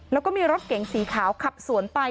แล้วก็มีรถเก๋งสีขาวขับสวนไป